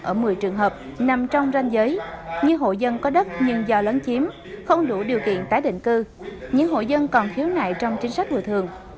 ở một mươi trường hợp nằm trong ranh giới như hộ dân có đất nhưng do lớn chiếm không đủ điều kiện tái định cư những hộ dân còn khiếu nại trong chính sách bồi thường